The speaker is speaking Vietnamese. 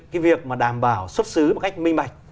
cái việc mà đảm bảo xuất xứ một cách minh bạch